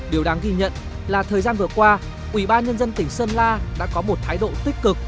điều đáng ghi nhận là thời gian vừa qua ubnd tỉnh sơn la đã có một thái độ tích cực